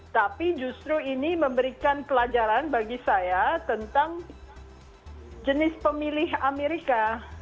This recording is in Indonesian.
tapi justru ini memberikan pelajaran bagi saya tentang jenis pemilih amerika